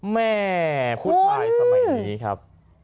แม่ผู้ชายสมัยนี้ครับ